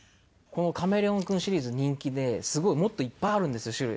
このカメレオン君シリーズ人気ですごいもっといっぱいあるんですよ